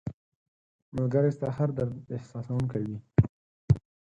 ملګری ستا هر درد احساسوونکی وي